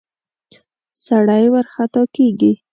سړی ورخطا کېږي.